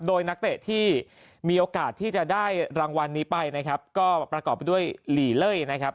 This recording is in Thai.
โดยนักเตะที่มีโอกาสที่จะได้รางวัลนี้ไปนะครับก็ประกอบไปด้วยหลีเล่ยนะครับ